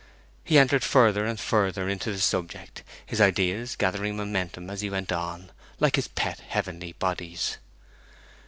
He entered further and further into the subject, his ideas gathering momentum as he went on, like his pet heavenly bodies.